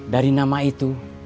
dari nama itu